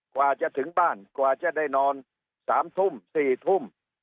กว่าจะถึงบ้านกว่าจะได้นอน๓ทุ่ม๔ทุ่ม